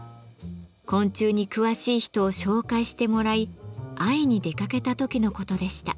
昆虫に詳しい人を紹介してもらい会いに出かけた時のことでした。